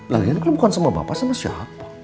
lainnya kan bukan sama bapak sama siapa